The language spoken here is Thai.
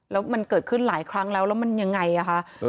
แล้วมันเกิดขึ้นหลายครั้งแล้วแล้วมันยังไงอ่ะคะ